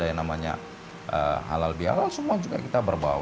ada yang namanya halal biarlah semua juga kita berbau